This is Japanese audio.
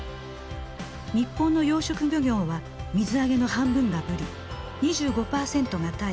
日本の養殖漁業は水揚げの半分がブリ２５％がタイ。